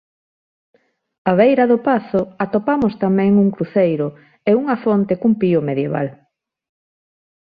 Á beira do pazo atopamos tamén un cruceiro e unha fonte cun pío medieval.